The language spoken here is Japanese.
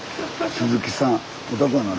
植木さん。